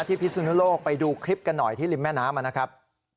พิสุนุโลกไปดูคลิปกันหน่อยที่ริมแม่น้ำนะครับ